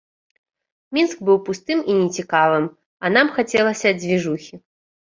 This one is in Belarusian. Мінск быў пустым і нецікавым, а нам хацелася дзвіжухі.